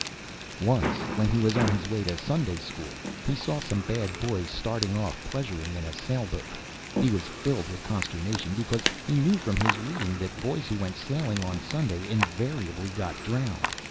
Once, when he was on his way to Sunday school, he saw some bad boys starting off pleasuring in a sailboat. He was filled with consternation, because he knew from his reading that boys who went sailing on Sunday invariably got drowned.